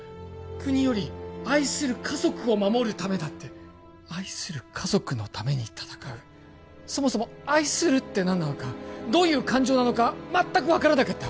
国より愛する家族を守るためだって愛する家族のために戦うそもそも愛するって何なのかどういう感情なのか全く分からなかった